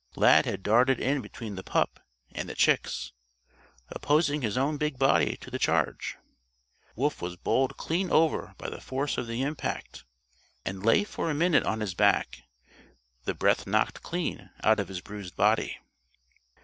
Lad had darted in between the pup and the chicks, opposing his own big body to the charge. Wolf was bowled clean over by the force of the impact, and lay for a minute on his back, the breath knocked clean out of his bruised body.